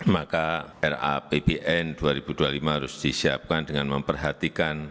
maka r a ppn erm dua ribu enam belas harus disiapkan dengan memperhatikan